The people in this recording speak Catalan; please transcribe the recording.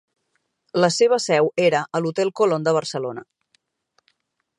La seva seu era a l'Hotel Colón de Barcelona.